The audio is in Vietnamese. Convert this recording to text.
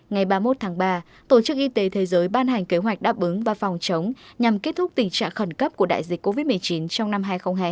ngày ba mươi một tháng ba tổ chức y tế thế giới ban hành kế hoạch đáp ứng và phòng chống nhằm kết thúc tình trạng khẩn cấp của đại dịch covid một mươi chín trong năm hai nghìn hai mươi